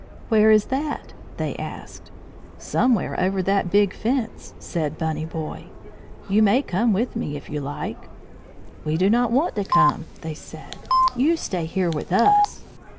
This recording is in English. "Where is that?" they asked. "Somewhere over that big fence," said Bunny Boy. "You may come with me if you like." "We do not want to come," they said. "You stay here with us."